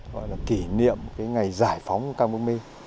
gọi là kỷ niệm cái ngày giải phóng của căng bắc mê